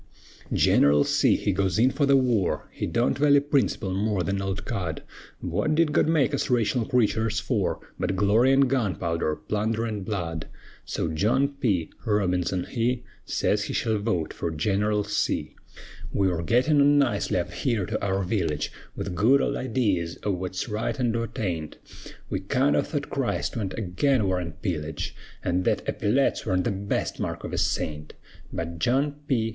Gineral C. he goes in fer the war; He don't vally princerple more 'n an old cud; Wut did God make us raytional creeturs fer, But glory an' gunpowder, plunder an' blood? So John P. Robinson he Sez he shall vote fer Gineral C. We were gittin' on nicely up here to our village, With good old idees o' wut's right an' wut aint, We kind o' thought Christ went agin war an' pillage, An' thet eppyletts worn't the best mark of a saint; But John P.